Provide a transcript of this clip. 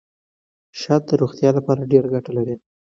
شات د روغتیا لپاره ډېره ګټه لري.